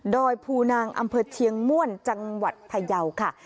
อยภูนางอำเภอเชียงม่วนจังหวัดพยาวค่ะ